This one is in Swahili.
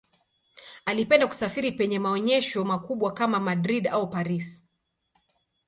Alipenda kusafiri penye maonyesho makubwa kama Madrid au Paris.